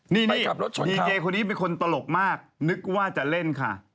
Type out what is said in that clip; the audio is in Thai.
นี่ดีเยคนนี้เป็นคนตลกมากนึกว่าจะเล่นค่ะ